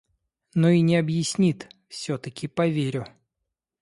Но и не объяснит, всё-таки поверю.